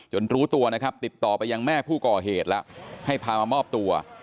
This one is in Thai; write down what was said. รู้ตัวนะครับติดต่อไปยังแม่ผู้ก่อเหตุแล้วให้พามามอบตัว